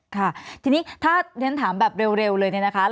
ค่ะทีนี้ถ้าเรียนถามแบบเร็วเลยเนี่ยนะคะ